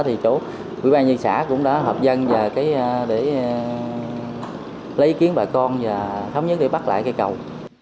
thì chỗ ủy ba nhân dân xã cũng đã hợp dân để lấy ý kiến bà con và thống nhất để bắt lại cây cầu